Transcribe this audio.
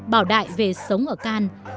bảo đại về sống ở can